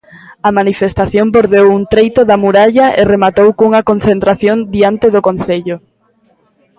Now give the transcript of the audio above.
A manifestación bordeou un treito da muralla e rematou cunha concentración diante do concello.